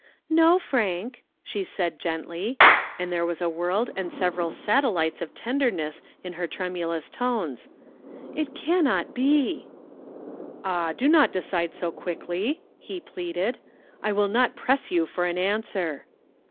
"No, Frank," she said gently, and there was a world and several satellites of tenderness in her tremulous tones. "It cannot be." "Ah, do not decide so quickly," he pleaded. "I will not press you for an answer."